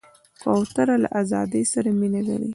کوتره له آزادۍ سره مینه لري.